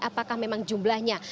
apakah memang jumlahnya